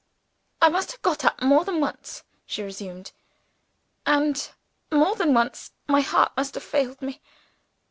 "I must have got up more than once," she resumed. "And more than once my heart must have failed me.